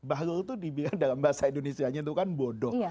bahlul itu dibilang dalam bahasa indonesia nya itu kan bodoh